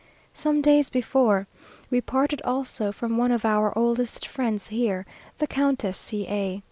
Some days before we parted also from one of our oldest friends here, the Countess C a.